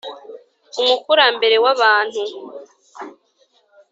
umukurambere w’abantu